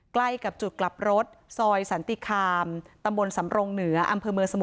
ใกล้กับจุดกลับรถซอยสันติคาม